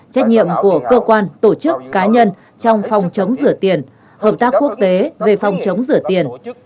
trách nhiệm của cơ quan tổ chức cá nhân trong phòng chống rửa tiền hợp tác quốc tế về phòng chống rửa tiền